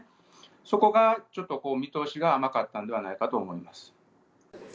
そこがちょっと見通しが甘かったんではないかと思います。